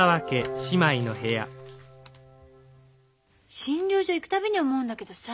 診療所行く度に思うんだけどさ